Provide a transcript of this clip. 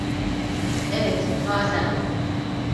Evet, bazen.